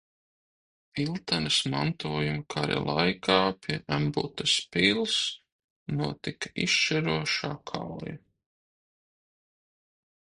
Piltenes mantojuma kara laikā pie Embūtes pils notika izšķirošā kauja.